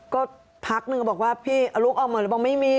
ก็พักหนึ่งเขาบอกว่าพี่ลุกออกมาเลยบอกไม่มี